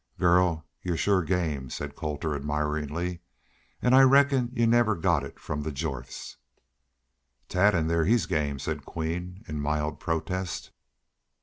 "Girl, y'u're shore game," said Colter, admiringly. "An' I reckon y'u never got it from the Jorths." "Tad in there he's game," said Queen, in mild protest.